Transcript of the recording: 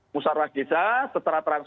musawarah desa seterat teratnya